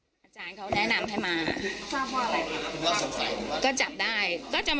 คุณผู้ชมฟังเสียงผู้หญิง๖ขวบโดนนะคะ